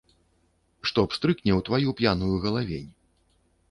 Што пстрыкне ў тваю п'яную галавень.